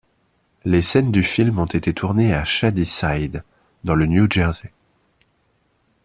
Les scènes du film ont été tournées à Shadyside, dans le New Jersey.